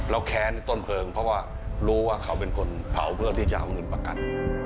แล้วแค้นต้นเพลิงเพราะว่ารู้ว่าเขาเป็นคนเผาเพื่อที่จะเอาเงินประกัน